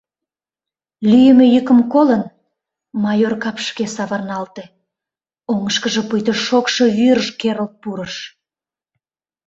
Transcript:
Лӱйымӧ йӱкым колын, «майор» капшыге савырналте — оҥышкыжо пуйто шокшо вӱрж керылт пурыш.